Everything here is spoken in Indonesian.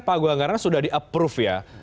panggung anggaran sudah di approve ya